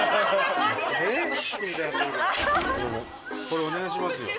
これお願いしますよ。